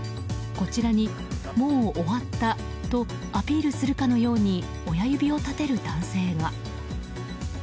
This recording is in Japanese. こちらに、もう終わったとアピールするかのように親指を立てる男性が。